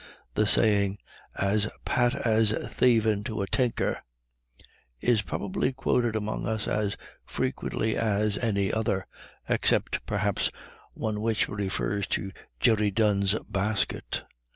The saying, "As pat as thievin' to a tinker" is probably quoted among us as frequently as any other, except, perhaps, one which refers to Jerry Dunne's basket.